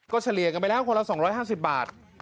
ก็เฉลี่ยกันไปแล้วคนละสองร้อยห้าสิบบาท